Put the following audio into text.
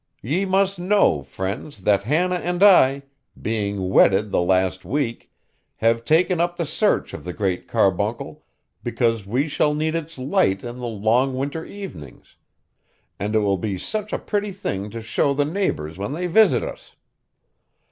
Ye must know, friends, that Hannah and I, being wedded the last week, have taken up the search of the Great Carbuncle, because we shall need its light in the long winter evenings; and it will be such a pretty thing to show the neighbors when they visit us.